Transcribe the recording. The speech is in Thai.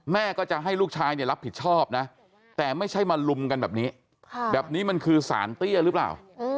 แม่ก็จะให้ลูกชายเนี่ยรับผิดชอบนะแต่ไม่ใช่มาลุมกันแบบนี้แบบนี้มันคือสารเตี้ยหรือเปล่า